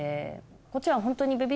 こっちはホントに。